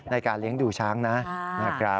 ในการเลี้ยงดูช้างนะครับ